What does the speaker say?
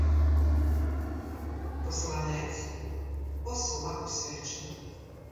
Посланець — особа освячена.